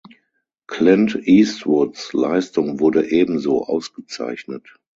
Clint Eastwoods Leistung wurde ebenso ausgezeichnet.